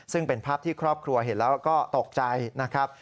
ซึ่งเป็นภาพที่ครอบครัวเห็นแล้วก็ตกใจนะครับ